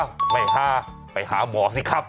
ไม่หาไปหาหมอสิครับ